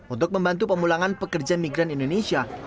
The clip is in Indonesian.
untuk membantu pemulangan pekerja migran indonesia